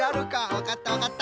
わかったわかった。